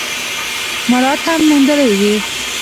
مراعات هم موندلي وي ۔